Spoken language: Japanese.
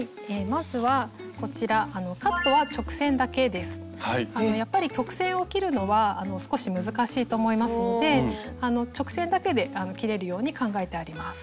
まずはこちらやっぱり曲線を切るのは少し難しいと思いますので直線だけで切れるように考えてあります。